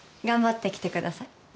頑張ってきてください。